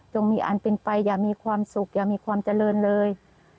มีอันเป็นไปอย่ามีความสุขอย่ามีความเจริญเลย